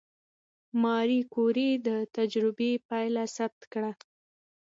ماري کوري د تجربې پایله ثبت کړه.